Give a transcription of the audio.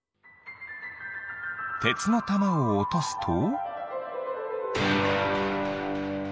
てつのたまをおとすと？